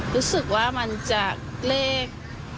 รู้สึกว่ามันจากเลข